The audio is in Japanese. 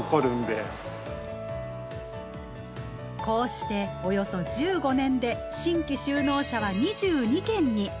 こうしておよそ１５年で新規就農者は２２軒に。